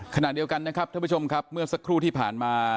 ขณะเดียวกันนะครับท่านผู้ชมครับเมื่อสักครู่ที่ผ่านมา